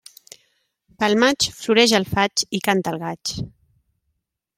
Pel maig, floreix el faig i canta el gaig.